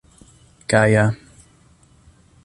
gaja